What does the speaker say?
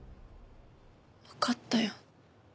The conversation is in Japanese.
わかったよ。